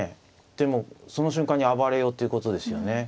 でもその瞬間に暴れようっていうことですよね。